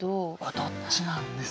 どっちなんですかね。